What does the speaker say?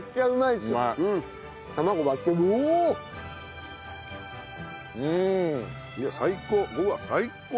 いや最高！